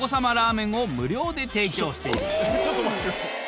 ピンポンちょっと待ってください。